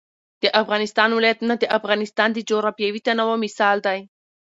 د افغانستان ولايتونه د افغانستان د جغرافیوي تنوع مثال دی.